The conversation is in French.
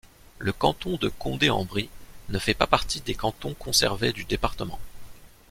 Le canton de Condé-en-Brie ne fait pas partie des cantons conservés du département.